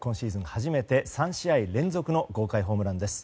初めて３試合連続の豪快ホームランです。